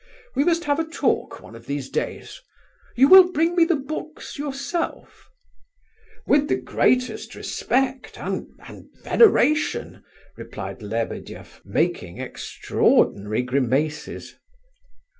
We must have a talk one of these days. You will bring me the books yourself?" "With the greatest respect... and... and veneration," replied Lebedeff, making extraordinary grimaces.